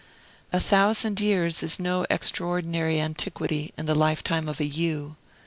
A thousand years is no extraordinary antiquity in the lifetime of a yew.